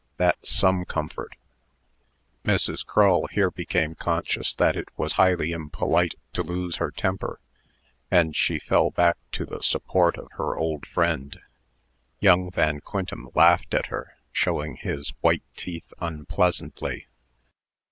That's some comfort!" Mrs. Crull here became conscious that it was highly impolite to lose her temper, and she fell back to the support of her old friend. Young Van Quintem laughed at her, showing his white teeth unpleasantly.